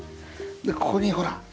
でここにほら。